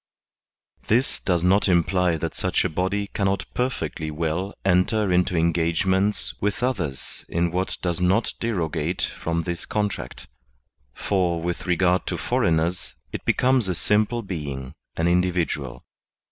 This does not imply that such a body cannot perfectly well enter into engagements with others in what does not derogate from this contract; for, with regard to foreigners, it becomes a simple being, an individual.